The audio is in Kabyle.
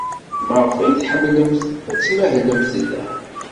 Maɣef ay tḥemmlemt ad tmahlemt da?